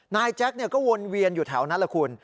แจ็คก็วนเวียนอยู่แถวนั้นแหละคุณ